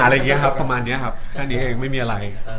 อะไรอย่างนี้ครับประมาณนี้ครับแค่นี้เองไม่มีอะไร